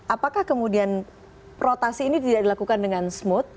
apakah kemudian rotasi ini tidak dilakukan dengan smooth